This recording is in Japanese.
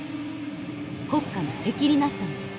国家の敵になったのです。